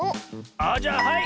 あじゃあはい！